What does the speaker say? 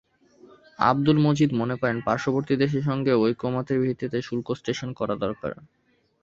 আবদুল মজিদ মনে করেন, পার্শ্ববর্তী দেশের সঙ্গে ঐকমত্যের ভিত্তিতে শুল্ক স্টেশন করা দরকার।